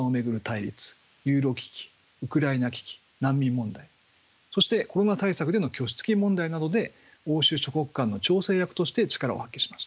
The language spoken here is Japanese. ユーロ危機ウクライナ危機難民問題そしてコロナ対策での拠出金問題などで欧州諸国間の調整役として力を発揮しました。